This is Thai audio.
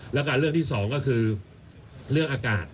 แล้วก็เรื่องที่สองก็คือเรื่องอากาศ